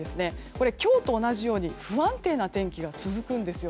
これは、今日と同じように不安定な天気が続くんですよ。